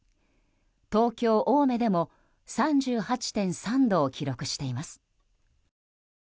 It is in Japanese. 東京・青梅でも３８．３度を記録しています。